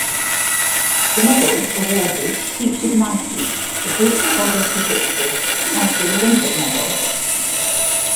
The medals awarded featured Nike, the Greek goddess of victory as do Olympic medals.